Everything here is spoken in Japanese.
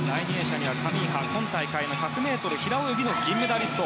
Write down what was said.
カミンハは今大会の１００ｍ平泳ぎの銀メダリスト。